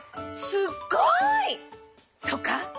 すっごい！」とか？